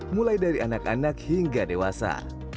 mulai dari anak anak hingga dewasa